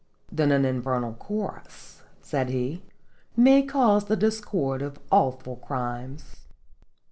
"Then an infernal chorus," said he, "may cause the discord of awful crimes?"